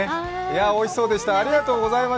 おいしそうでした。